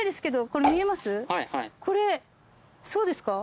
これそうですか？